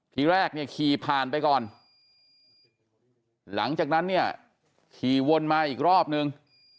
ทีแรกเนี่ยขี่ผ่านไปก่อนหลังจากนั้นเนี่ยขี่วนมาอีกรอบนึง